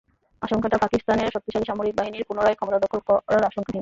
আশঙ্কাটা পাকিস্তানের শক্তিশালী সামরিক বাহিনীর পুনরায় ক্ষমতা দখল করার আশঙ্কা নিয়ে।